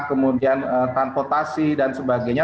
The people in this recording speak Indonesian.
kemudian transportasi dan sebagainya